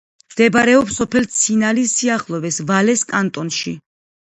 მდებარეობს სოფელ ცინალის სიახლოვეს, ვალეს კანტონში.